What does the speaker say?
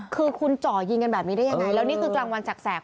คือคุณจ่อยิงกันแบบนี้ได้ยังไงแล้วนี่คือกลางวันแสก